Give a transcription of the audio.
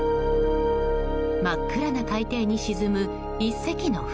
真っ暗な海底に沈む１隻の船。